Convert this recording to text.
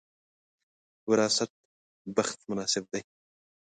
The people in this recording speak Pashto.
وراثت بخت مناسب دی.